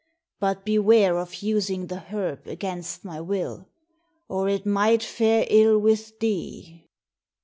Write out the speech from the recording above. But beware of using the herb against my will, or it might fare ill with thee."